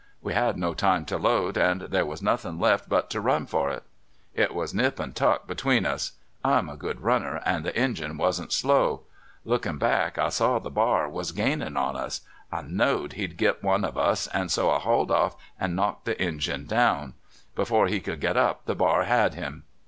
We had no time to load, and there was nothin' left but to run for it. It was nip and tuck between us. I 'm a good runner, and the Injun was n't slow The Ethics of Grizzly Ilunling. Ill Lookin' back, I saAV the har was gainin' on us. I know'd he 'd git oue of ii. , and fo I hauled off and knocked the Injun down. Before he could git up the bar had him."